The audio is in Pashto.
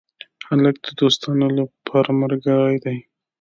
هلک د دوستانو لپاره ملګری دی.